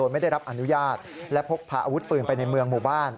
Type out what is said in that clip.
ไม่ได้รับอนุญาตและพกพาอาวุธปืนไปในเมืองหมู่บ้าน